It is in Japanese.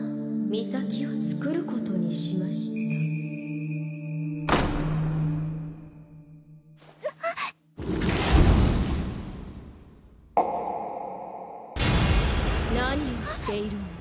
「ミサキを作ることにしました」な何をしているの？